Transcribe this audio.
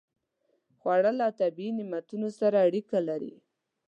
خوړل له طبیعي نعمتونو سره اړیکه لري